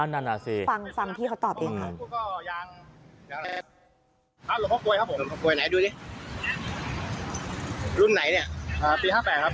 ฟังพี่เขาตอบเองไง